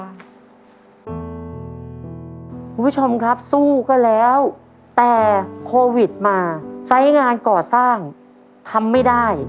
คุณผู้ชมครับสู้ก็แล้วแต่โควิดมาไซส์งานก่อสร้างทำไม่ได้